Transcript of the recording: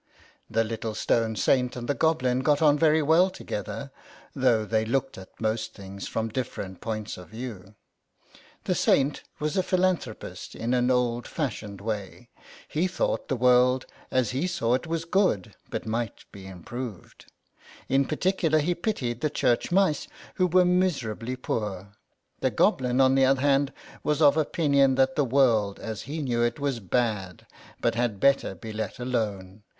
The little stone Saint and the Goblin got 60 THE SAINT AND THE GOBLIN 6i on very well together, though they looked at most things from different points of view. The Saint was a philanthropist in an old fashioned way ; he thought the world, as he saw it, was good, but might be improved. In particular he pitied the church mice, who were miserably poor. The Goblin, on the other hand, was of opinion that the world, as he knew it, was bad, but had better be let alone.